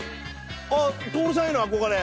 あっ徹さんへの憧れ？